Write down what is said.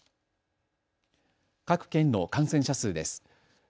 各県の感染者数です。